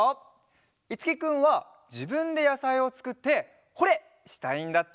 いつきくんはじぶんでやさいをつくって「ホ・レッ！」したいんだって。